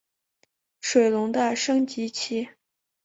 水龙的升级棋。